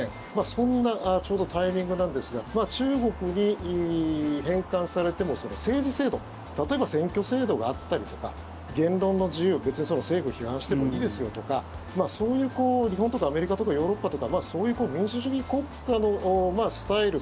そんなタイミングなんですが中国に返還されても、政治制度例えば選挙制度があったりとか言論の自由、別に政府批判してもいいですよとかそういう日本とかアメリカとかヨーロッパとかそういう民主主義国家のスタイル